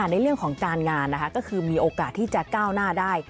ในเรื่องของการงานนะคะก็คือมีโอกาสที่จะก้าวหน้าได้